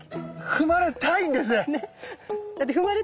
踏まれたいんですね。